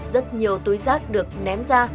rất nhiều túi rác được ném ra